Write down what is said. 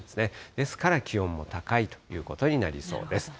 ですから、気温も高いということになりそうです。